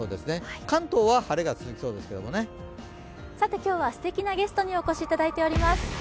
今日はすてきなゲストにお越しいただいております。